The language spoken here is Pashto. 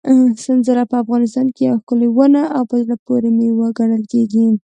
سنځله په افغانستان کې یوه ښکلې ونه او په زړه پورې مېوه ګڼل کېږي.